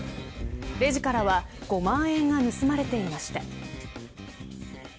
レジからは５万円が盗まれていました。